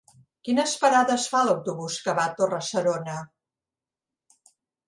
Quines parades fa l'autobús que va a Torre-serona?